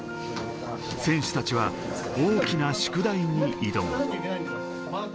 選手たちは大きな宿題に挑む。